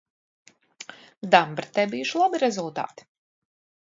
Dambretē bijuši labi rezultāti.